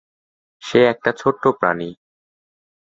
সে একটা ছোট্ট প্রাণী।